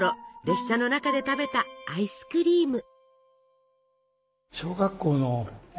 列車の中で食べたアイスクリーム。